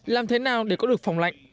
làm thế nào để có được phòng lạnh